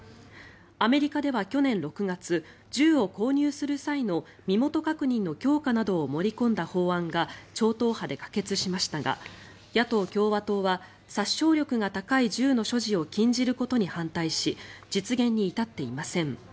アメリカでは去年６月銃を購入する際の身元確認の強化などを盛り込んだ法案が超党派で可決しましたが野党・共和党は殺傷力が高い銃の所持を禁じることに反対し実現に至っていません。